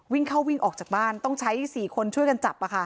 วิ่งเข้าวิ่งออกจากบ้านต้องใช้๔คนช่วยกันจับ